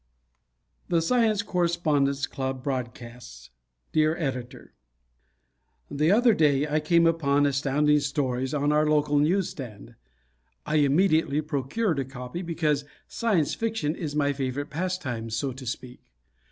The Science Correspondence Club Broadcasts Dear Editor: The other day I came upon Astounding Stories on our local newsstand. I immediately procured a copy because Science Fiction is my favorite pastime, so to speak.